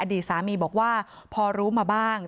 ดีสามีบอกว่าพอรู้มาบ้าง